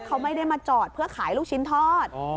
เขาไม่ได้มาจอดเพื่อขายลูกชิ้นทอด